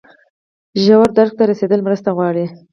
ژور درک ته رسیدل مرسته غواړي.